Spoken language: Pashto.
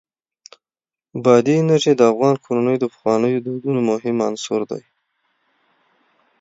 بادي انرژي د افغان کورنیو د پخوانیو دودونو مهم عنصر دی.